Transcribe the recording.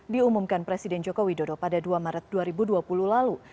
diumumkan presiden joko widodo pada dua maret dua ribu dua puluh lalu